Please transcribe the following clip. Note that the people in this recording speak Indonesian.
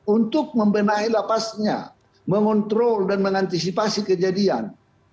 untuk membenahi lapasnya mengontrol dan mengantisipasi kejadian